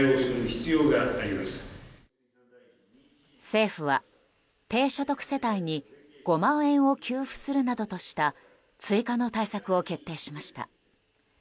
政府は低所得世帯に５万円を給付するなどとした追加の対策を決定しました。